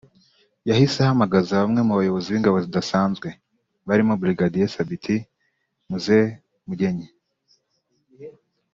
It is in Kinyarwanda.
yahise ahamagaza bamwe mu bayobozi b’ingabo zidasanzwe barimo Brig Sabiti Mzee Mugyenyi